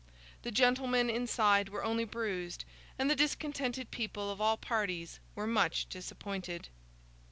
The gentlemen inside were only bruised, and the discontented people of all parties were much disappointed.